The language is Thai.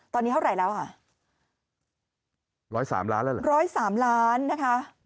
ตอนนี้เท่าไหร่แล้วอ่ะ๑๐๓ล้านแล้วเหรอ๑๐๓ล้านนะคะ